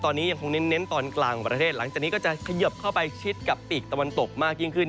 ตอนนี้ยังคงเน้นตอนกลางของประเทศหลังจากนี้ก็จะเขยิบเข้าไปชิดกับปีกตะวันตกมากยิ่งขึ้น